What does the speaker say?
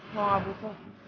mau abut pak